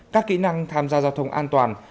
các kỹ năng tham gia giao thông an toàn